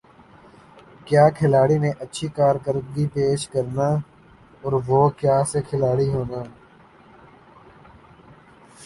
کَیا کھلاڑی نے اچھی کارکردگی پیش کرنا اور وُہ کَیا سے کھلاڑی ہونا